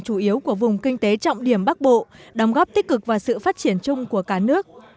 chủ yếu của vùng kinh tế trọng điểm bắc bộ đóng góp tích cực và sự phát triển chung của cả nước